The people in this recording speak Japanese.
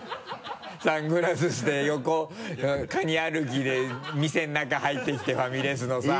サングラスして横カニ歩きで店の中入ってきてファミレスのさ。